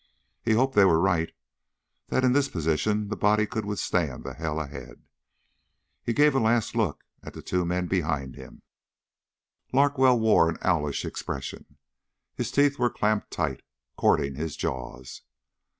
He hoped they were right, that in this position the body could withstand the hell ahead. He gave a last look at the two men behind him. Larkwell wore an owlish expression. His teeth were clamped tight, cording his jaws.